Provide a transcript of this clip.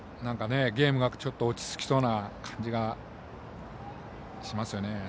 ゲームがちょっと落ち着きそうな感じがしますね。